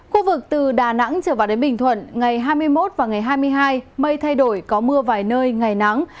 khu vực từ đà nẵng trở vào đến bình thuận ngày hai mươi một và ngày hai mươi hai mây thay đổi có mưa vài nơi ngày nắng